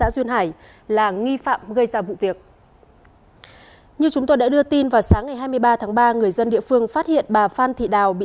xin chào và hẹn gặp lại